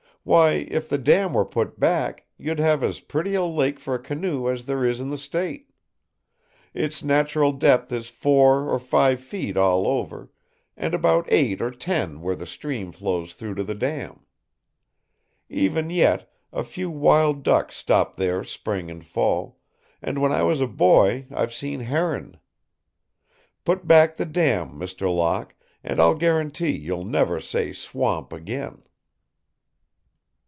Why, if the dam were put back, you'd have as pretty a lake for a canoe as there is in the State! Its natural depth is four or five feet all over, and about eight or ten where the stream flows through to the dam. Even yet, a few wild duck stop there spring and fall, and when I was a boy I've seen heron. Put back the dam, Mr. Locke, and I'll guarantee you'll never say swamp again!"